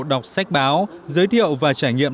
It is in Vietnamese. đọc sách báo giới thiệu và trải nghiệm